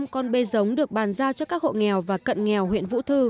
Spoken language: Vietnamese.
năm mươi năm con bê giống được bàn ra cho các hộ nghèo và cận nghèo huyện vũ thư